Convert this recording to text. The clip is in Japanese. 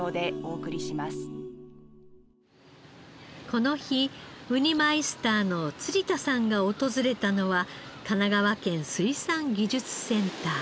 この日ウニマイスターの辻田さんが訪れたのは神奈川県水産技術センター。